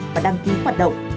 và đăng ký hoạt động